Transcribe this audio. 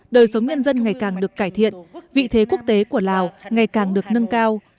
đời sống nhân dân ngày càng được cải thiện vị thế quốc tế của lào ngày càng được nâng cao